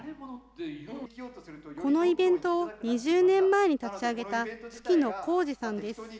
このイベントを２０年前に立ち上げた、月乃光司さんです。